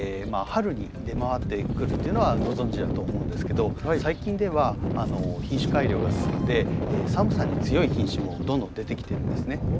春に出回ってくるっていうのはご存じだと思うんですけど最近では品種改良が進んで寒さに強い品種もどんどん出てきてるんですね。